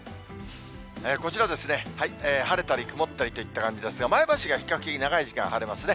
こちらですね、晴れたり曇ったりといった感じですが、前橋が比較的長い時間、晴れますね。